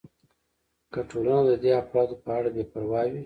که ټولنه د دې افرادو په اړه بې پروا وي.